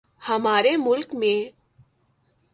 ہمارے ملک میں